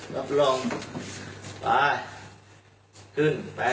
รับรองไปขึ้นแปส